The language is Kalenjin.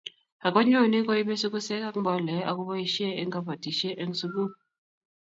akunyone kuibe sukusek ak mboleek akuboisie eng' kabotisie eng' sukul